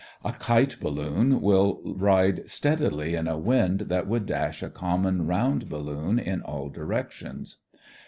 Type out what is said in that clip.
A kite balloon will ride steadily in a wind that would dash a common round balloon in all directions.